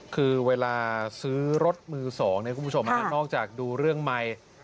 คือเวลาซื้อรถมือ๒คุณผู้ชมนอกจากดูเรื่องไมค์